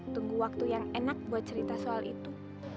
tunggu waktu yang enak buat cerita soal itu